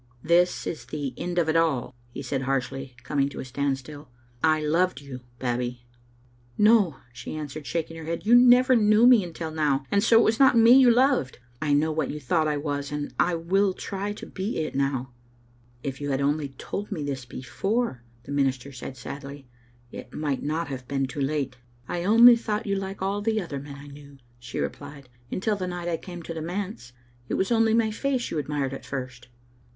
"This is the end of it all," he said harshly, coming to a standstill. " I loved you, Babbie." " No," she answered, shaking her head. " You never knew me until now, and so it was not me you loved. I know what you thought I was, and I will try to be it now." "If you had only told me this before," the minister said sadly, " it might not have been too late." Digitized by VjOOQ IC Stots of tbe Sdtpttatu isi " I only thought you like all the other men I knew," she replied, " until the night I came to the manse. It was only my face you admired at first."